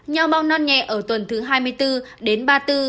nho bong non nhẹ ở tuần thứ hai mươi bốn đến ba mươi bốn